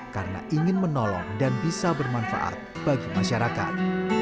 karena ingin menolong dan bisa bermanfaat bagi masyarakat